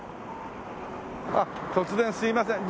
突然すいません。